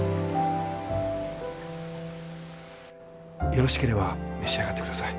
よろしければ召し上がってください。